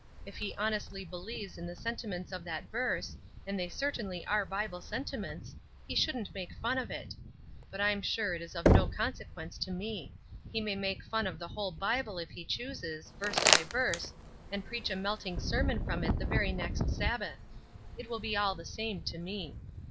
If he honestly believes in the sentiments of that verse, and they certainly are Bible sentiments, he shouldn't make fun of it. But I'm sure it is of no consequence to me. He may make fun of the whole Bible if he chooses, verse by verse, and preach a melting sermon from it the very next Sabbath; it will be all the same to me.